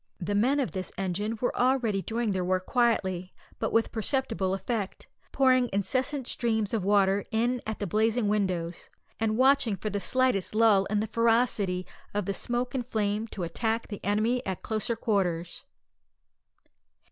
The men of this engine were already doing their work quietly, but with perceptible effect, pouring incessant streams of water in at the blazing windows, and watching for the slightest lull in the ferocity of the smoke and flame to attack the enemy at closer quarters.